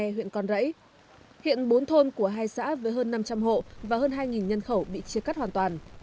tại huyện con rẫy hiện bốn thôn của hai xã với hơn năm trăm linh hộ và hơn hai nhân khẩu bị chia cắt hoàn toàn